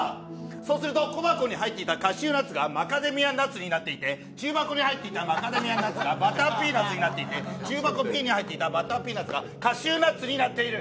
そうすると小箱に入っていたカシューナッツがマカデミアナッツになっていて中箱に入っていたマカデミアナッツがバターピーナツになっていて中箱Ｂに入っていたバターピーナツがカシューナッツになっている！